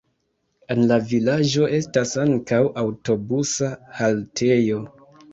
En la vilaĝo estas ankaŭ aŭtobusa haltejo.